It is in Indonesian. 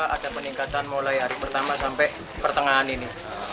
ada peningkatan mulai hari pertama sampai pertengahan ini